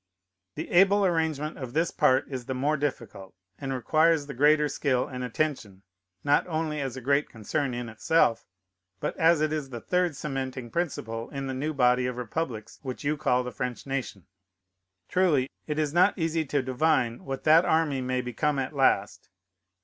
The able arrangement of this part is the more difficult, and requires the greater skill and attention, not only as a great concern in itself, but as it is the third cementing principle in the new body of republics which you call the French nation. Truly, it is not easy to divine what that army may become at last.